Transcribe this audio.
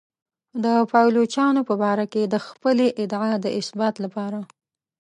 د پایلوچانو په باره کې د خپلې ادعا د اثبات لپاره.